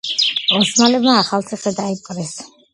ოსმალებმა ახალციხე დაიპყრეს.